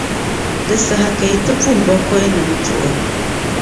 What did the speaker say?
di saha ka yi ti puhi bakɔinima chuɣu.